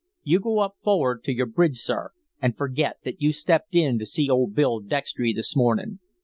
You go up forrad to your bridge, sir, and forget that you stepped in to see old Bill Dextry this morning.